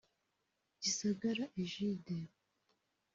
Gisagara Egide